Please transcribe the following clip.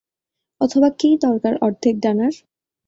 অথবা "কী দরকার অর্ধেক ডানার?"